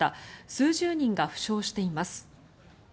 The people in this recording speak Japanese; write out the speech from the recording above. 数十人が負傷しています。